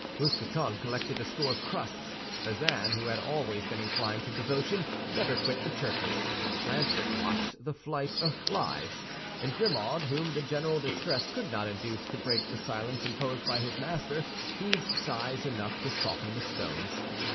Mousqueton collected a store of crusts; Bazin, who had always been inclined to devotion, never quit the churches; Planchet watched the flight of flies; and Grimaud, whom the general distress could not induce to break the silence imposed by his master, heaved sighs enough to soften the stones.